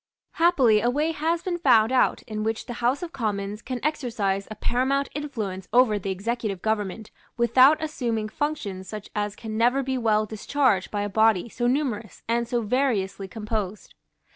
Happily a way has been found out in which the House of Commons can exercise a paramount influence over the executive government, without assuming functions such as can never be well discharged by a body so numerous and so variously composed.